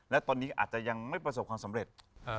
และตอนนี้อาจจะยังไม่ประสบความสำเร็จ